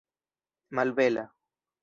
malbela